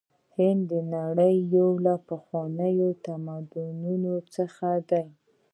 هند د نړۍ یو له پخوانیو تمدنونو څخه دی.